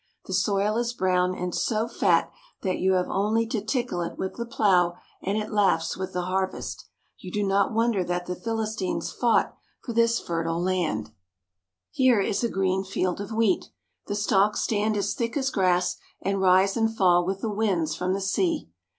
The soil is brown and so fat that you have only to tickle it with the plough and it laughs with the harvest. You do not wonder that the Philis tines fought for this fertile land. 23 THE HOLY LAND AND SYRIA Here is a green field of wheat. The stalks stand as thick as grass, and rise and fall with the winds from the sea.